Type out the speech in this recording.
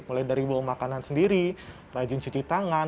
mulai dari bawa makanan sendiri rajin cuci tangan